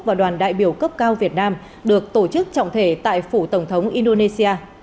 và đoàn đại biểu cấp cao việt nam được tổ chức trọng thể tại phủ tổng thống indonesia